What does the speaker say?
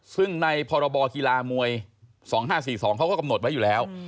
ซึ่งในพรบกีฬามวย๒๕๔๒เขาก็กำหนดไว้อยู่แล้ว